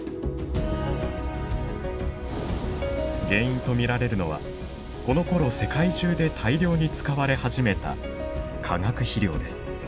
原因と見られるのはこのころ世界中で大量に使われ始めた化学肥料です。